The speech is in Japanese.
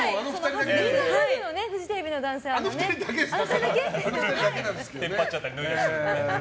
みんな脱ぐよねフジテレビの男性はね。